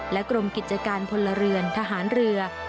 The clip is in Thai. กรมกิจการพลเรือนทหารเรือ